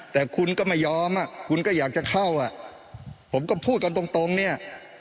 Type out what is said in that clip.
แต่คุณก็ไม่ยอมคุณก็อยากจะเข้าอ่ะผมก็พูดกันตรงเนี่ย